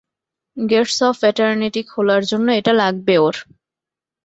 Gates of eternity খোলার জন্য এটা লাগবে ওর।